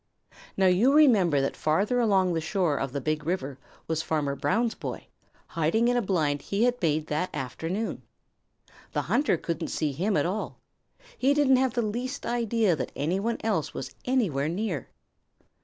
Now you remember that farther along the shore of the Big River was Farmer Brown's boy, hiding in a blind he had made that afternoon. The hunter couldn't see him at all. He didn't have the least idea that any one else was anywhere near.